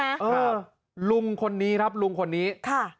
ครับลุงคนนี้ครับลุงคนนี้ค่ะ